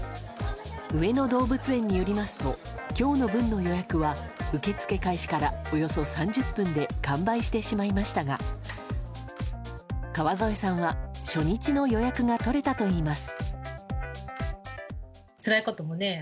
上野動物園によりますと今日の分の予約は受け付け開始からおよそ３０分で完売してしまいましたが川添さんは初日の予約が取れたといいます。